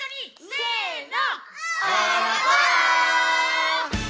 せの！